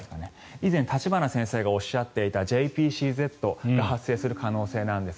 以前立花先生がおっしゃっていたＪＰＣＺが発生する可能性なんです。